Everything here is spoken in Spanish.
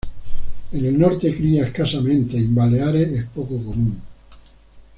En el norte cría escasamente y en Baleares es poco común.